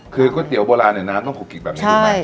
คือก๋วยเตี๋ยวโบราณเนี่ยน้ำต้องขุกกิกแบบนี้ถูกไหม